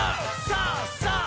「さあ！